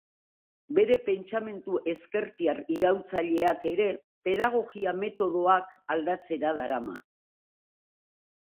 Bere pentsamendu ezkertiar iraultzaileak ere pedagogia-metodoak aldatzera darama.